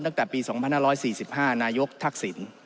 ตั้งแต่ปี๒๕๔๕นายกทักษิณ